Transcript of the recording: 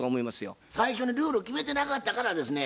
最初にルールを決めてなかったからですね